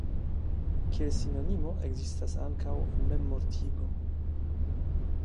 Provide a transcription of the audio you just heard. Kiel sinonimo ekzistas ankaŭ "memmortigo".